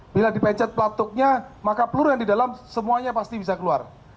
bila dipecet pelatuknya maka peluru yang di dalam semuanya pasti bisa keluar